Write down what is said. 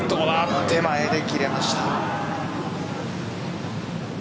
手前で切れました。